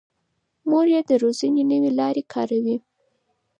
مور یې د روزنې نوې لارې کاروي.